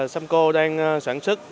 samco đang sản xuất